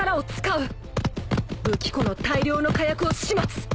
武器庫の大量の火薬を始末